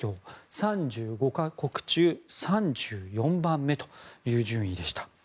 ３５か国中３４番目という順位でした。